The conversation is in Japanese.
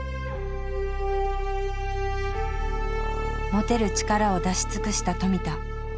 持てる力を出し尽くした富田。